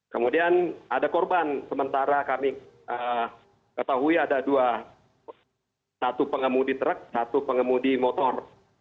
kemudian ada korban sementara kami ketahui ada dua satu pengemudi truk satu pengemudi motor